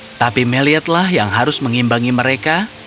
tetapi meliod yang harus mengimbangi mereka